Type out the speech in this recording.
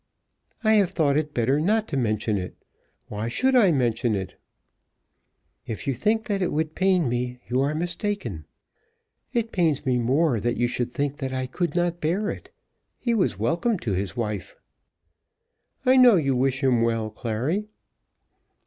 "I have thought it better not to mention it. Why should I mention it?" "If you think that it would pain me, you are mistaken. It pains me more that you should think that I could not bear it. He was welcome to his wife." "I know you wish him well, Clary."